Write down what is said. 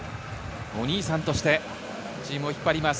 お兄さんとしてチームを引っ張ります。